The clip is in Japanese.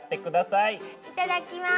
いただきます。